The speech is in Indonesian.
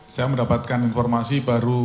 saya mendapatkan informasi baru